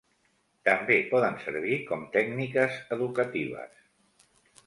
També poden servir com tècniques educatives.